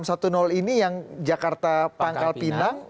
jt enam ratus sepuluh ini yang jakarta pangkal pinang